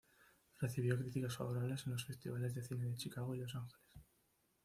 Recibió críticas favorables en los festivales de cine de Chicago y Los Ángeles.